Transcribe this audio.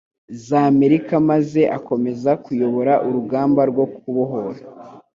z'Amerika maze akomeza kuyobora urugamba rwo kubohora